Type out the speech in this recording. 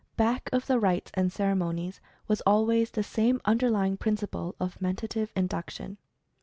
Back of the rites and ceremonies was always the same un derlying principle of Mentative Induction.